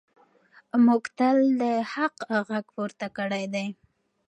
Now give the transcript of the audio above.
موږ تل د حق غږ پورته کړی دی.